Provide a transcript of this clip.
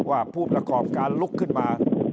ว่าผู้ประกอบการลุกขึ้นมา